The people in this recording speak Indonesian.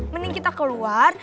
mending kita keluar